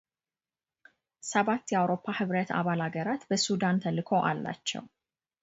ሰባት የአውሮፓ ህብረት አባል አገራት በሱዳን ተልዕኮ አላቸው።